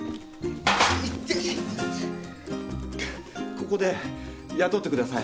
ここで雇ってください。